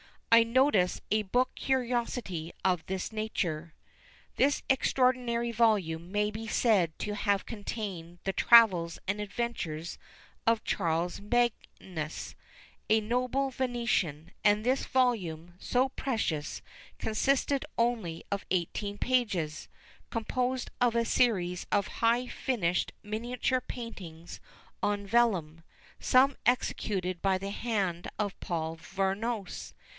I notice a book curiosity of this nature. This extraordinary volume may be said to have contained the travels and adventures of Charles Magius, a noble Venetian; and this volume, so precious, consisted only of eighteen pages, composed of a series of highly finished miniature paintings on vellum, some executed by the hand of Paul Veronese.